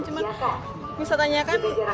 cuma bisa tanyakan